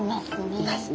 いますね。